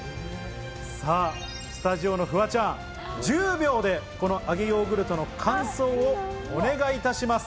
さぁ、スタジオのフワちゃん、１０秒でこの揚げヨーグルトの感想をお願いいたします。